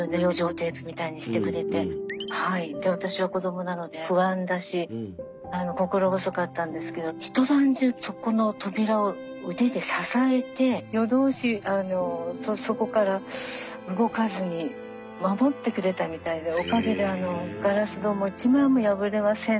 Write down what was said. テープみたいにしてくれてで私は子どもなので不安だし心細かったんですけど一晩中そこの扉を腕で支えて夜通しそこから動かずに守ってくれてたみたいでおかげでガラス戸も一枚も破れません